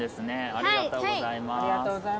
ありがとうございます。